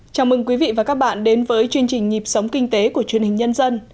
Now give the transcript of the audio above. chào mừng quý vị và các bạn đến với chương trình nhịp sống kinh tế của truyền hình nhân dân